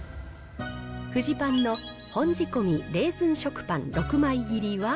フジパンの本仕込みレーズン食パン６枚切りは。